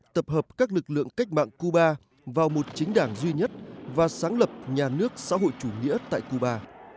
tập hợp các lực lượng cách mạng cuba vào một chính đảng duy nhất và sáng lập nhà nước xã hội chủ nghĩa tại cuba